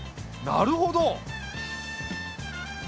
なるほど！